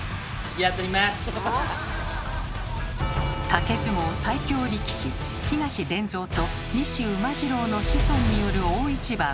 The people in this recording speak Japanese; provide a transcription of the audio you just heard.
竹相撲最強力士東伝蔵と西馬次郎の子孫による大一番。